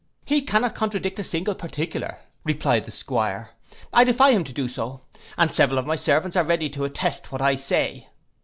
'He cannot contradict a single particular,' replied the 'Squire, 'I defy him to do so, and several of my servants are ready to attest what I say.